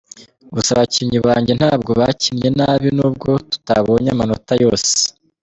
Gusa abakinnyi banjye ntabwo bakinnye nabi nubwo tutabonye amanota yose.